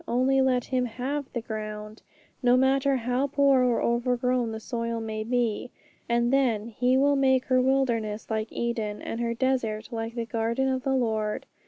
Only let Him have the ground, no matter how poor or overgrown the soil may be, and then 'He will make her wilderness like Eden, and her desert like the garden of the Lord.'